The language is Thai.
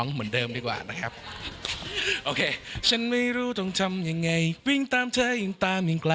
หุ่นอบแบบนี้น่ารักนะคะ